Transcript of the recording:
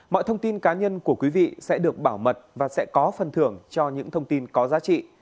mọi thông tin cá nhân của quý vị sẽ được bảo mật và sẽ có phần thưởng cho những thông tin có giá trị